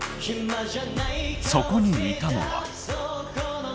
そこにいたのは。